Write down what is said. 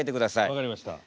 分かりました。